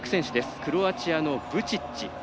クロアチアのブチッチ。